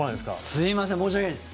すみません、申し訳ないです。